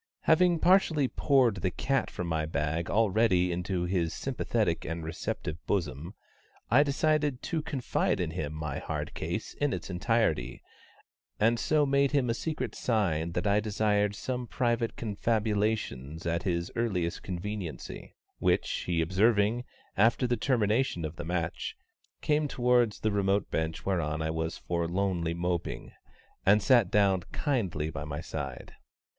Having partially poured the cat from my bag already into his sympathetic and receptive bosom, I decided to confide to him my hard case in its entirety, and so made him a secret sign that I desired some private confabulations at his earliest conveniency, which he observing, after the termination of the match, came towards the remote bench whereon I was forlornly moping, and sat down kindly by my side.